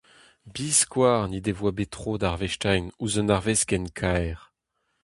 Biskoazh n'he devoa bet tro da arvestiñ ouzh un arvest ken kaer.